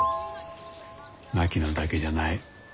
槙野だけじゃない。